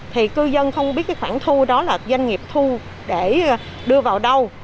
thì cư dân không biết cái khoản thu đó là doanh nghiệp thu để đưa vào đâu